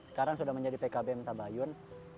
sekarang sudah menjadi pkbm tabayun